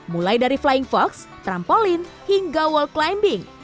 mulai dari flying fox trampolin hingga wall climbing